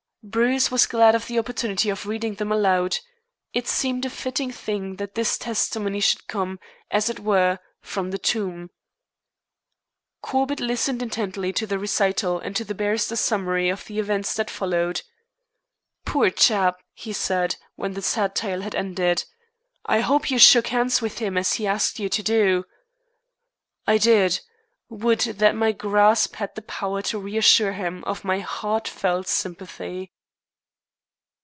Bruce was glad of the opportunity of reading them aloud. It seemed a fitting thing that this testimony should come, as it were, from the tomb. Corbett listened intently to the recital and to the barrister's summary of the events that followed. "Poor chap!" he said, when the sad tale had ended. "I hope you shook hands with him as he asked you to do?" "I did. Would that my grasp had the power to reassure him of my heartfelt sympathy."